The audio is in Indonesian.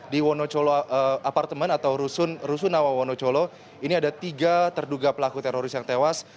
di wonocolo apartemen atau rusunawa wonocolo ini ada tiga terduga pelaku teroris yang tewas